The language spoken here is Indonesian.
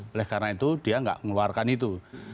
oleh karena itu dia tidak mengeluarkan itu